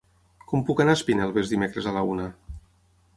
Com puc anar a Espinelves dimecres a la una?